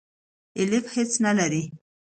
الیف هیڅ نه لری.